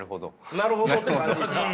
なるほどって感じですか。